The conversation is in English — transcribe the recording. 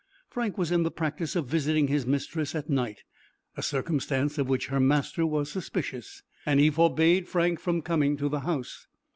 Frank was in the practice of visiting his mistress at night, a circumstance of which her master was suspicious; and he forbade Frank from coming to the house.